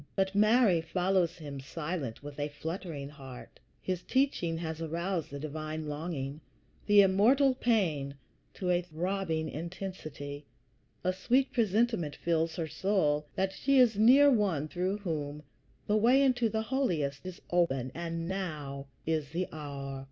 But Mary follows him, silent, with a fluttering heart. His teaching has aroused the divine longing, the immortal pain, to a throbbing intensity; a sweet presentiment fills her soul, that she is near One through whom the way into the Holiest is open, and now is the hour.